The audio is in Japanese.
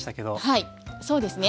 はいそうですね。